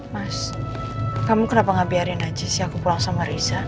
mas kamu kenapa ngabiarin aja sih aku pulang sama riza